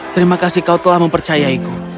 terima kasih telah mempercayaiku